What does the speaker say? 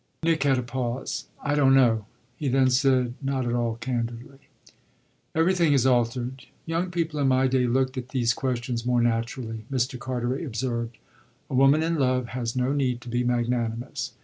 Nick had a pause. "I don't know!" he then said not at all candidly. "Everything has altered: young people in my day looked at these questions more naturally," Mr. Carteret observed. "A woman in love has no need to be magnanimous.